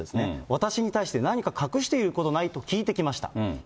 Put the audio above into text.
私に対して、何か隠していることない？と聞いてきました。